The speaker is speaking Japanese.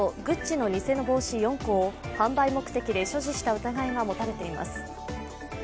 グッチの偽の帽子４個を販売目的で所持した疑いが持たれています。